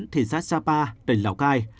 thị xã sapa tỉnh lào cai